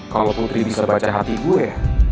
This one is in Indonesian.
kalau putri bisa baca hati gue ya